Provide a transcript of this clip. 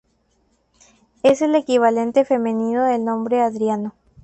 Es el equivalente femenino del nombre Adriano.